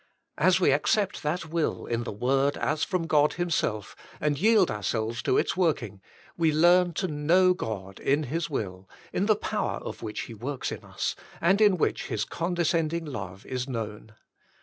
As we accept that will in the word as from God Himself, and yield ourselves to its working, we learn to know God in His will, in the power of which He works in us, and in which His condescending love is known.